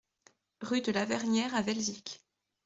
Rue de Lavernière à Velzic